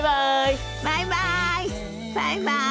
バイバイ！